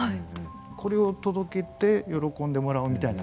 これを届けて喜んでもらおうみたいな。